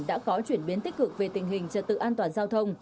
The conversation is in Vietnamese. đã có chuyển biến tích cực về tình hình trật tự an toàn giao thông